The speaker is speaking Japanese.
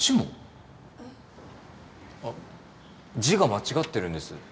字が間違ってるんです。